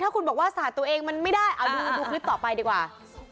ถ้าคุณบอกว่าสาดตัวเองมันไม่ได้เอาดูคลิปต่อไปดีกว่า